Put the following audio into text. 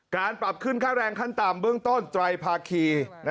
การปรับขึ้นค่าแรงขั้นต่ำเบื้องต้นไตรภาคี